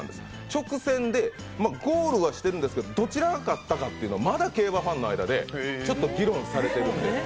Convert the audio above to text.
直線でゴールはしてるんですけどどちらが勝ったかというのは競馬ファンの間でちょっと議論されているんです。